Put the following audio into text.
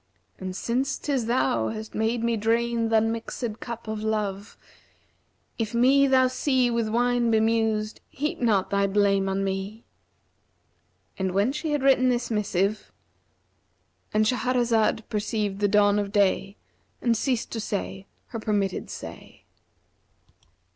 And since 'tis thou hast made me drain th' unmixиd cup of love, * If me thou see with wine bemused heap not thy blame on me!' And when she had written the missive,—And Shahrazad perceived the dawn of day and ceased to say her permitted say.